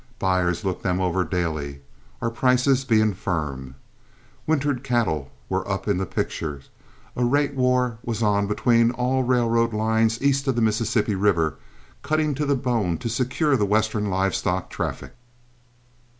Buyers looked them over daily, our prices being firm. Wintered cattle were up in the pictures, a rate war was on between all railroad lines east of the Mississippi River, cutting to the bone to secure the Western live stock traffic.